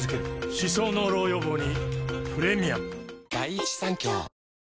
歯槽膿漏予防にプレミアム